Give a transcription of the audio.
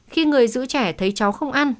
khi người giữ trẻ thấy cháu không ăn